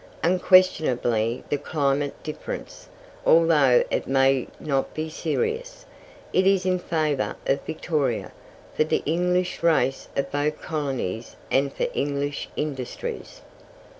Unquestionably the climatic difference, although it may not be serious, is in favour of Victoria, for the English race of both colonies and for English industries.